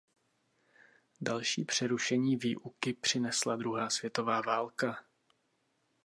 Další přerušení výuky přinesla druhá světová válka.